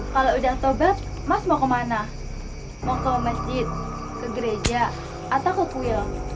kalau udah taubat mas mau kemana mau ke masjid ke gereja atau ke puil